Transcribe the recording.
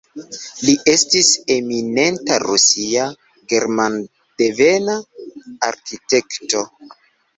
Li estis eminenta rusia, germandevena arkitekto.